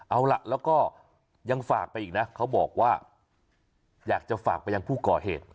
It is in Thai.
เอาล่ะแล้วก็ยังฝากไปอีกนะเขาบอกว่าอยากจะฝากไปยังผู้ก่อเหตุ